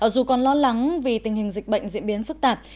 dù còn lo lắng vì tình hình dịch bệnh diễn biến phức tạp